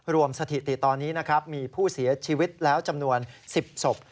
รวมสถิติตอนนี้มีผู้เสียชีวิตแล้วจำนวน๑๐ศพ